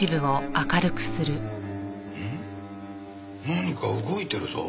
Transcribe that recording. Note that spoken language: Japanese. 何か動いてるぞ。